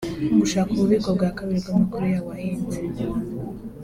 gushaka ububiko bwa kabiri bw’amakuru yawe ahenze